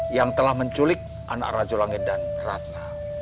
yang telah menculik anak rajulangin dan ratna